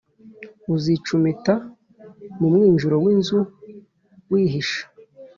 Uzicumita mu mwinjiro w inzu wihisha